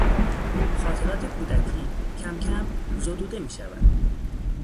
خاطرات کودکی کم کم زدوده میشود.